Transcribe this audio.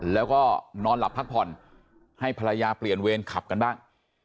แล้วก็นอนหลับพักผ่อนให้ภรรยาเปลี่ยนเวรขับกันบ้าง